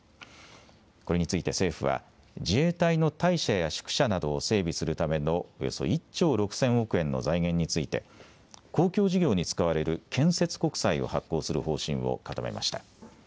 これについて政府は、自衛隊の隊舎や宿舎などを整備するためのおよそ１兆６０００億円の財源について、公共事業に使われる建設国債を発行する方針を固めました。